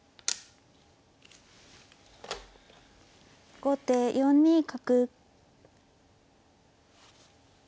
後手４二角。